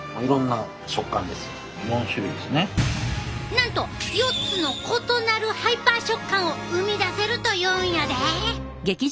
なんと４つの異なるハイパー食感を生み出せるというんやで！